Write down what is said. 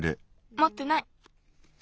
もってない。